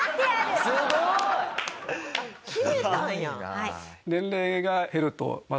すごいな。